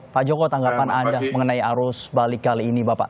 pak joko tanggapan anda mengenai arus balik kali ini bapak